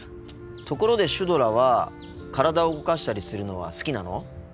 ところでシュドラは体を動かしたりするのは好きなの？